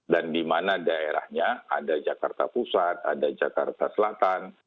dan di mana daerahnya ada jakarta pusat ada jakarta selatan